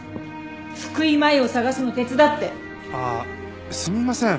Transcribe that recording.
福井真衣を捜すの手伝って！ああすみません。